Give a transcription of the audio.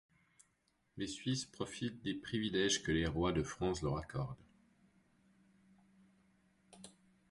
Les Suisses profitent des privilèges que les rois de France leur accordent.